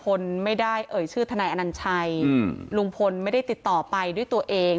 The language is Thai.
คนไม่ได้เอ่ยชื่อทนายอนัญชัยลุงพลไม่ได้ติดต่อไปด้วยตัวเอง